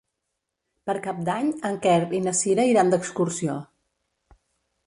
Per Cap d'Any en Quer i na Cira iran d'excursió.